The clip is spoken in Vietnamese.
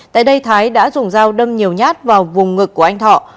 tại đây thái đã dùng dao đâm nhiều nhát vào vùng ngực của anh thọ